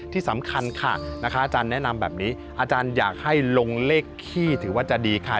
ที่สำคัญค่ะนะคะอาจารย์แนะนำแบบนี้อาจารย์อยากให้ลงเลขขี้ถือว่าจะดีค่ะ